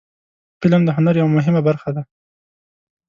فلم د هنر یوه مهمه برخه ده